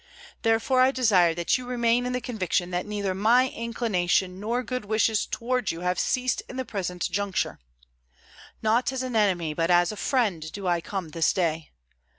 Therefore I desire that you remain in the conviction that neither my inclination nor good wishes toward you have ceased in the present juncture. Not as an enemy, but as a friend, do I come this day.